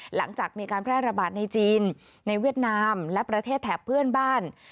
หลังจากมีการแพร่ระบาดในจีนในเวียดนามและประเทศแถบเพื่อนบ้าน